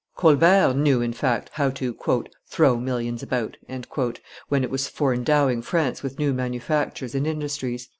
Colbert knew, in fact, how to "throw millions about" when it was for endowing France with new manufactures and industries.